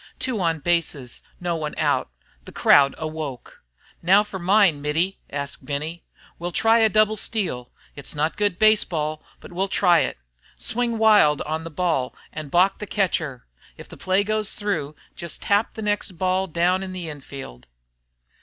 Two on bases, no one out! The crowd awoke. "Now fer mine, Mittie?" asked Benny. "We'll try a double steal. It's not good baseball, but we'll try it. Swing wild on the ball an' balk the catcher. If the play goes through jest tap the next ball down in the infield."